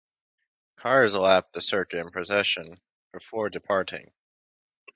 Cars lapped the circuit in procession before departing.